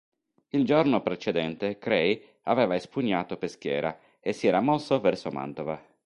Il giorno precedente Kray aveva espugnato Peschiera e si era mosso verso Mantova.